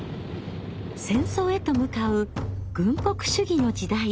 戦争へと向かう軍国主義の時代。